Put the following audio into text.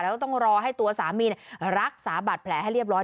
แล้วต้องรอให้ตัวสามีรักษาบัตรแผลให้เรียบร้อย